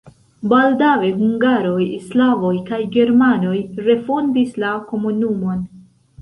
Baldaŭe hungaroj, slavoj kaj germanoj refondis la komunumon.